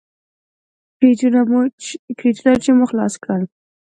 کرېټونه چې مو خلاص کړل.